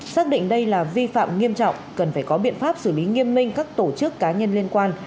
xác định đây là vi phạm nghiêm trọng cần phải có biện pháp xử lý nghiêm minh các tổ chức cá nhân liên quan